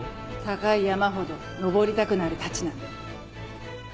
高い山ほど登りたくなるたちなんで。